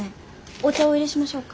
お茶をおいれしましょうか？